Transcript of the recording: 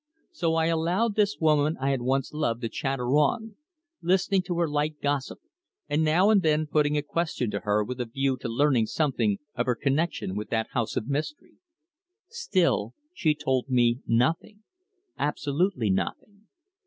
So I allowed this woman I had once loved to chatter on, listening to her light gossip, and now and then putting a question to her with a view to learning something of her connexion with that house of mystery. Still she told me nothing absolutely nothing.